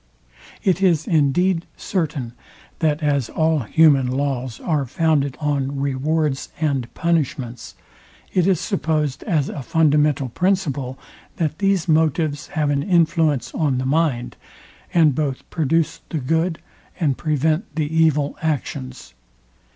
It is indeed certain, that as all human laws are founded on rewards and punishments, it is supposed as a fundamental principle, that these motives have an influence on the mind, and both produce the good and prevent the evil actions.